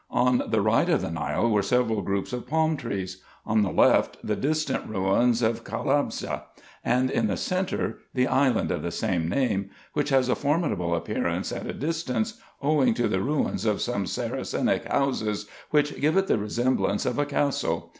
On the right of the Nile were several groups of palm trees ; on the left, the distant rums of Kalabshe ; and in the centre, the island of the same name, which has a formidable appearance at a distance, owing to the ruins of some Saracenic houses, which give it the resemblance of a castle.